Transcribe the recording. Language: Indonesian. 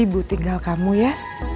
ibu tinggal kamu ya